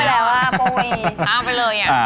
ข้ามไปเลยอ่ะ